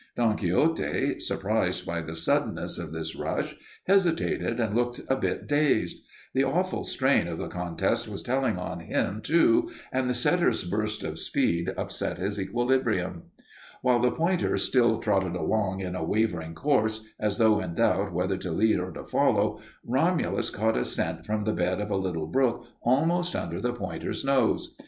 Don Quixote, surprised by the suddenness of this rush, hesitated and looked a bit dazed. The awful strain of the contest was telling on him, too, and the setter's burst of speed upset his equilibrium. While the pointer still trotted along in a wavering course, as though in doubt whether to lead or to follow, Romulus caught a scent from the bed of a little brook almost under the pointer's nose.